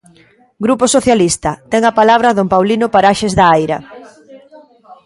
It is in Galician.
Grupo Socialista, ten a palabra don Paulino Paraxes da Aira.